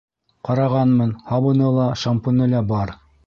Ҡарағанмын, һабыны ла, шампуне лә бар.